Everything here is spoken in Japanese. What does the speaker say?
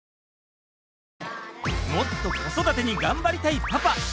もっと子育てに頑張りたいパパ。